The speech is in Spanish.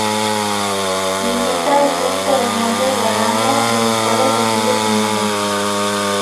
Limita al sur con los Montes de Agaña, de los cuales recibe su nombre.